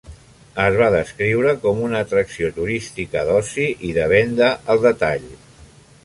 Es va descriure com una atracció turística, d'oci i de venda al detall.